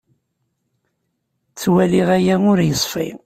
Ttwaliɣ aya ur yeṣfi.